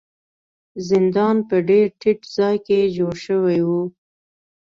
زندان په ډیر ټیټ ځای کې جوړ شوی و.